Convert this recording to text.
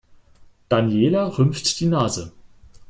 Daniela rümpft die Nase.